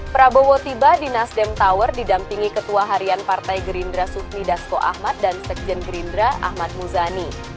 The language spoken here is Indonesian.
prabowo tiba di nasdem tower didampingi ketua harian partai gerindra sufmi dasko ahmad dan sekjen gerindra ahmad muzani